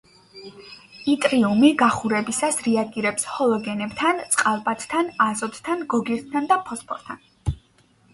იტრიუმი გახურებისას რეაგირებს ჰალოგენებთან, წყალბადთან, აზოტთან, გოგირდთან და ფოსფორთან.